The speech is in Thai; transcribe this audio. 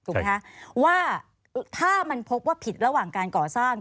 ไหมคะว่าถ้ามันพบว่าผิดระหว่างการก่อสร้าง